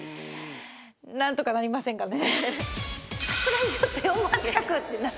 なんとかなりませんかね？